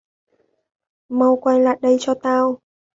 mau quay lại đây cho tao